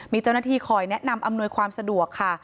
มีเจ้าหน้าที่คอยแนะนำอำนวยความสะดวกค่ะ